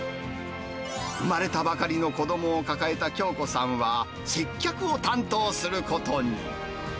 産まれたばかりの子どもを抱えた京子さんは、接客を担当することに。